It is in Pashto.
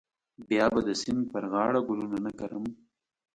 بیا به د سیند پر غاړه ګلونه نه کرم.